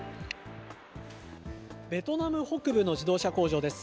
ベトナム北部の自動車工場です。